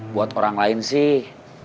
buat orang lain sih